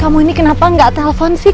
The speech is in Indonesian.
kamu ini kenapa gak telpon sih